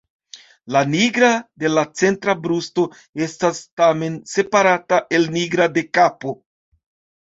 La nigra de la centra brusto estas tamen separata el nigra de kapo.